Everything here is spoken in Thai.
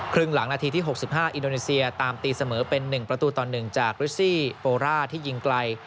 ครึ่งหลังนาทีที่หกสิบห้าอินโดนีเซียตามตีเสมอเป็นหนึ่งประตูต่อหนึ่งจากโปรร่าที่ยิงไกล